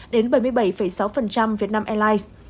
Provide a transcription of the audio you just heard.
đến bảy mươi bảy sáu vietnam airlines